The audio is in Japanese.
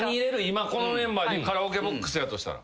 今このメンバーでカラオケボックスやとしたら。